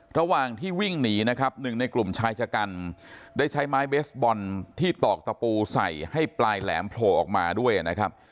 ระหว่างที่วิ่งหนีนะครับหนึ่งในกลุ่มชายชะกันได้ใช้ไม้เบสบอลที่ตอกตะปูใส่ให้ปลายแหลมโผล่ออกมาด้วยนะครับ